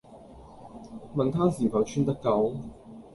問她是否穿得夠？